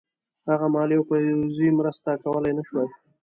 هغه مالي او پوځي مرسته کولای نه شوای.